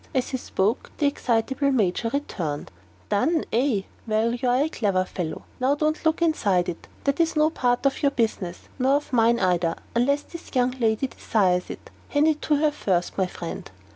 As he spoke, the excitable Major returned. "Done it, eh? Well, you are a clever fellow. Now don't look inside it; that is no part of your business, nor mine either, unless this young lady desires it. Hand it to her first, my friend."